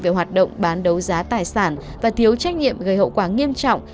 về hoạt động bán đấu giá tài sản và thiếu trách nhiệm gây hậu quả nghiêm trọng